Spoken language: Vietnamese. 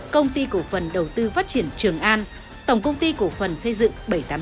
công ty cổ phần đầu tư phát triển trường an tổng công ty cổ phần xây dựng bảy trăm tám mươi hai